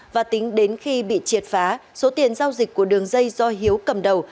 và tính đến khi bị triệt phá số tiền giao dịch của đường dây do hiếu cầm đầu